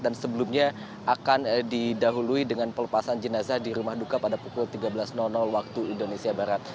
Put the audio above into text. dan sebelumnya akan didahului dengan pelepasan jenazah di rumah duka pada pukul tiga belas waktu indonesia barat